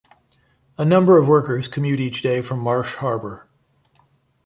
A number of workers commute each day from Marsh Harbour.